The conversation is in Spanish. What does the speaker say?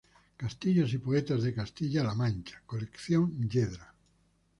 Castillos y poetas de Castilla la Mancha.Colección Yedra